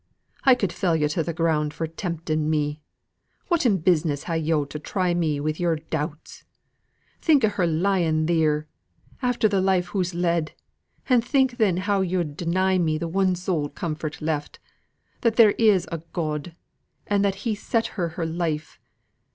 I could fell yo' to the ground for tempting me. Whatten business have yo' to try me wi' your doubts? Think o' her lying theere, after the life hoo's led; and think then how yo'd deny me the one sole comfort left that there is a God, and that He set her her life.